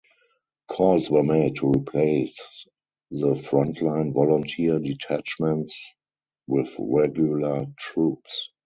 Calls were made to replace the frontline volunteer detachments with regular troops.